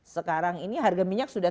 sekarang ini harga minyak sudah